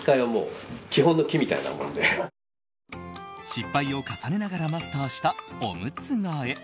失敗を重ねながらマスターしたオムツ替え。